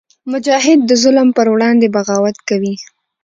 مجاهد د ظلم پر وړاندې بغاوت کوي.